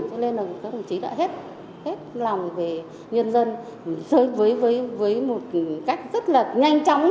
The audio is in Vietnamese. cho nên là công chí đã hết lòng về nhân dân với một cách rất là nhanh chóng